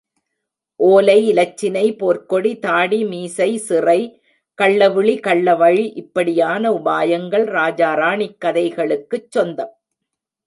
ஓலை, இலச்சினை, போர்க்கொடி, தாடி மீசை, சிறை, கள்ளவிழி கள்ளவழி இப்படியான உபாயங்கள் ராஜாராணிக் கதைகளுக்குச் சொந்தம்.